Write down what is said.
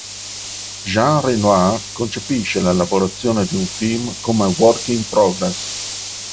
Jean Renoir concepisce la lavorazione di un film come "work in progress".